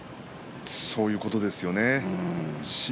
そういうことですよね。